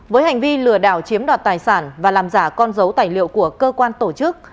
với hành vi lừa đảo chiếm đoạt tài sản và làm giả con dấu tài liệu của cơ quan tổ chức